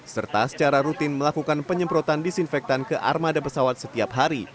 serta secara rutin melakukan penyemprotan disinfektan ke armada pesawat setiap hari